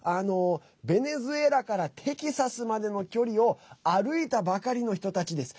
ベネズエラからテキサスまでの距離を歩いたばかりの人たちです。